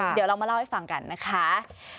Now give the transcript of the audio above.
เดี๋ยวเรามาเล่าให้ฟังกันนะคะ